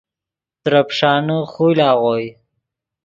ترے پیݰانے خول آغوئے